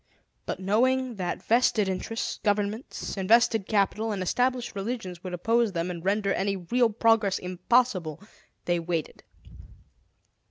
But, knowing that vested interests, governments, invested capital, and established religions would oppose them and render any real progress impossible, they waited.